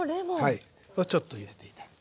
はいをちょっと入れて頂く。